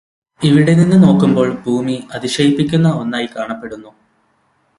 ഇവിടെ നിന്ന് നോക്കുമ്പോൾ ഭൂമി അതിശയിപ്പിക്കുന്ന ഒന്നായി കാണപ്പെടുന്നു